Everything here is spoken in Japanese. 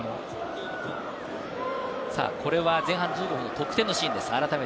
これは前半１５分の得点のシーンです。